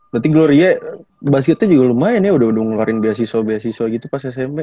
berarti gloria basketnya juga lumayan ya udah ngeluarin beasiswa beasiswa gitu pas smp